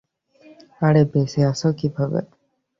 আরে, বেঁচে আছো কিভাবে?